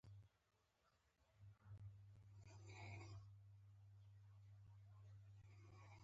خور له خپلو خویندو سره مینه لري.